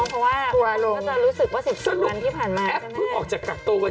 ทัวไปบ้านน้องเพราะว่า